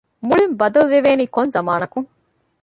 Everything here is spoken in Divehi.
މުޅިން ބަދަލުވެވޭނީ ކޮން ޒަމާނަކުން؟